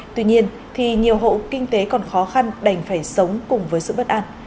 tuy nhiên nhiều hậu kinh tế còn khó khăn đành phải sống cùng với sự bất an